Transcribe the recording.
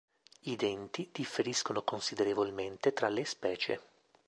I denti differiscono considerevolmente tra le specie.